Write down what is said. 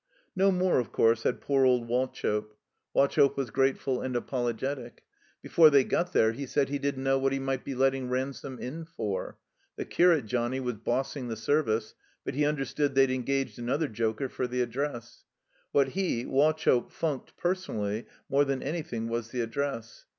No more, of course, had poor old Wauchope. loa THE COMBINED MAZlE Wauchope was grateful and apologetic; before they gpt there he said he didn't know what he might be letting Ransome in for. The curate Johnnie was bossing the Service, but he understood they'd en gaged another joker for the Address. What he, Wauchope, funked, personally, more than anything was the Address.